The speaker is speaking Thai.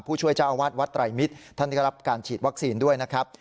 ช่วยเจ้าอาวาสวัดไตรมิตรท่านได้รับการฉีดวัคซีนด้วยนะครับ